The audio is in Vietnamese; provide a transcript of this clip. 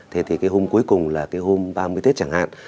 thế thì cái hôm cuối cùng là cái hôm ba mươi tết chẳng hạn